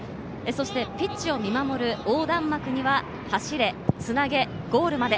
ピッチを見守る横断幕には「走れつなげゴールまで」。